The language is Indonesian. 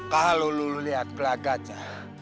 kalo lu liat pelagatnya